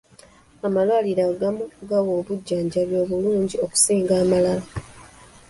Amalwaliro agamu gawa obujjanjabi obulungi okusinga amalala.